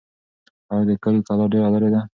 آیا د کلي کلا ډېر لرې ده؟